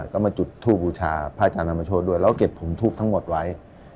ก็มาจุดทูบบูชาพระอาจารย์ธรรมโชธด้วยแล้วก็เก็บผมทูปทั้งหมดไว้